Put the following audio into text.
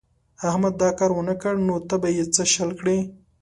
احمد دا کار و نه کړ نو ته به يې څه شل کړې.